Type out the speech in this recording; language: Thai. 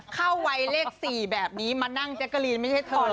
เข้าวัยเลข๔แบบนี้มานั่งแจ๊กกะลีนไม่ใช่เธอ